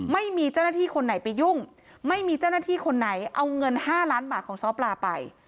ไม่มีเจ้าหน้าที่คนไหนไปยุ่งไม่มีเจ้าหน้าที่คนไหนเอาเงิน๕ล้านบาทของซ้อปลาไป